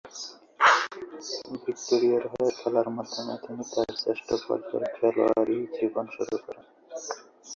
ভিক্টোরিয়ার হয়ে খেলার মাধ্যমে তিনি তার জ্যেষ্ঠ পর্যায়ের খেলোয়াড়ি জীবন শুরু করেছেন।